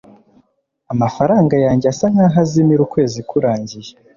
amafaranga yanjye asa nkaho azimira ukwezi kurangiye